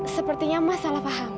sepertinya mas salah paham